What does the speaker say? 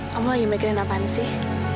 kamu lagi mikirin apaan sih